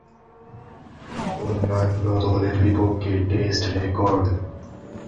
অন্যান্য দলের বিপক্ষে টেস্ট রেকর্ড